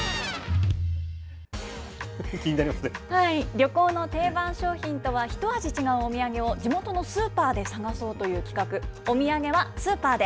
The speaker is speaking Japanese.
旅行の定番商品とは一味違うお土産を、地元のスーパーで探そうという企画、お土産はスーパーで。